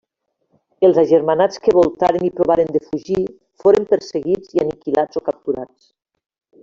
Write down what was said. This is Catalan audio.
Els agermanats que voltaren i provaren de fugir foren perseguits i aniquilats o capturats.